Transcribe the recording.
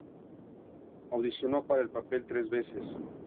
Audicionó para el papel tres veces.